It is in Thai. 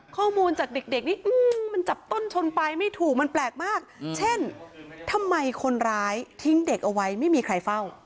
ข้อมูลจากเด็กนี้มันจับต้นชนไปไม่ถูกมันแปลกมากเช่นทำไมคนร้ายทิ้งเด็กเอาไว้ไม่มีใครเฝ้า